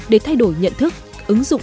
để thay đổi nhận thức ứng dụng